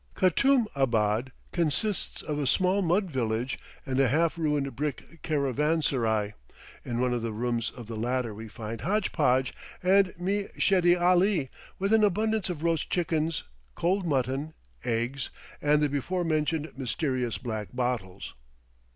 Katoum abad consists of a small mud village and a half ruined brick caravansarai; in one of the rooms of the latter we find "Hodge podge" and Me shedi Ali, with an abundance of roast chickens, cold mutton, eggs, and the before mentioned mysterious black bottles.